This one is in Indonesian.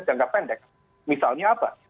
jangka pendek misalnya apa